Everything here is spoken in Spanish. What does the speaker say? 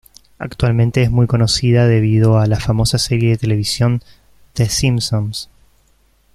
Actualmente es muy conocida debido a la famosa serie de televisión "The Simpsons".